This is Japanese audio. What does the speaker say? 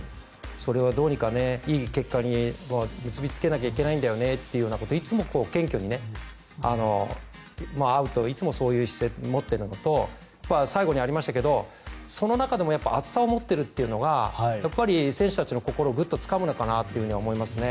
それをどうにかいい結果に結びつけなきゃいけないんだよねということをいつも謙虚に会うといつもそういう姿勢を持っているのと最後にありましたけどその中でも熱さを持っているというのが選手たちの心をぐっとつかむのかなと思いますね。